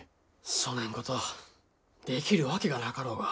そねんことできるわけがなかろうが。